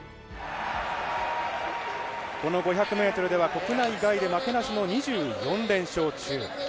この５００ｍでは国内外で負けなしの２４連勝中。